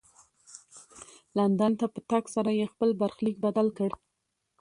لندن ته په تګ سره یې خپل برخلیک بدل کړ.